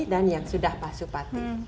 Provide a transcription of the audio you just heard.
dan yang sudah pasupati